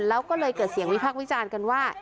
แล้วก็เลยเกิดเสียงวิพากษ์วิจารณ์กันว่า